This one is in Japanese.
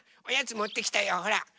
おやつもってきたよほら。